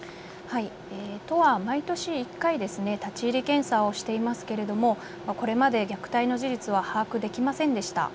都は毎年１回、立ち入り検査をしていますけれどもこれまで虐待の事実は把握できませんでした。